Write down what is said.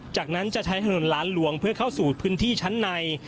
จากนั้นจะใช้ถนนล้านหลวงเพื่อเข้าสู่พื้นที่ชั้นใน